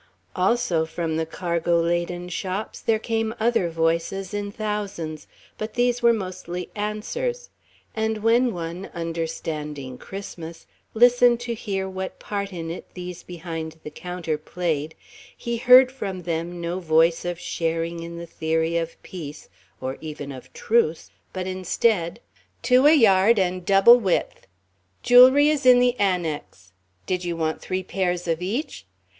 Also from the cargo laden shops there came other voices in thousands, but these were mostly answers. And when one, understanding Christmas, listened to hear what part in it these behind the counter played, he heard from them no voice of sharing in the theory of peace, or even of truce, but instead: "Two a yard and double width. Jewelry is in the Annex. Did you want three pairs of each?